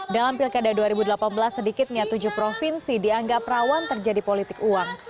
dalam pilkada dua ribu delapan belas sedikitnya tujuh provinsi dianggap rawan terjadi politik uang